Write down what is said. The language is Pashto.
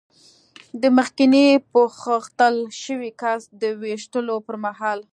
د مخکېني پوښتل شوي کس د وېشتلو پر مهال.